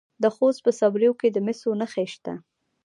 د خوست په صبریو کې د مسو نښې شته.